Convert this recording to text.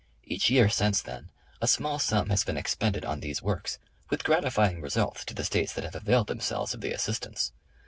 Each year since then, a small sum has been expended on these works with gratifying results to the States that have availed themselves of the assist ance.